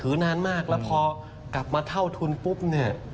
นานมากแล้วพอกลับมาเท่าทุนปุ๊บเนี่ย